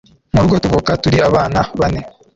murugo tuvuka turi abana bane